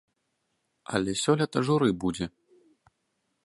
Але сёлета журы будзе.